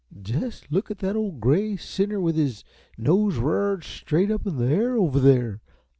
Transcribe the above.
"Jest look at that ole gray sinner with his nose r'ared straight up in the air over there!